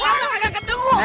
kalian kemana aja